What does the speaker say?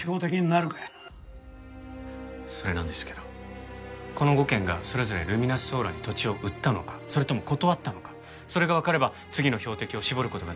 それなんですけどこの５軒がそれぞれルミナスソーラーに土地を売ったのかそれとも断ったのかそれがわかれば次の標的を絞る事ができると思うんです。